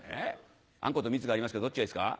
「あんこと蜜がありますけどどっちがいいですか？」。